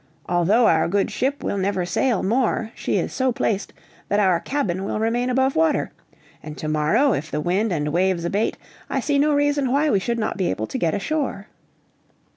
Although our good ship will never sail more, she is so placed that our cabin will remain above water, and to morrow, if the wind and waves abate, I see no reason why we should not be able to get ashore."